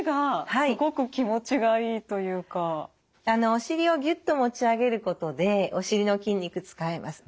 お尻をギュッと持ち上げることでお尻の筋肉使えます。